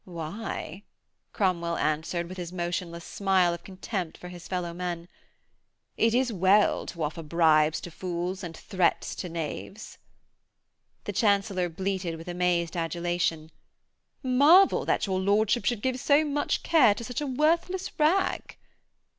'Why,' Cromwell answered, with his motionless smile of contempt for his fellow men, 'it is well to offer bribes to fools and threats to knaves.' The Chancellor bleated, with amazed adulation, 'Marvel that your lordship should give so much care to such a worthless rag!'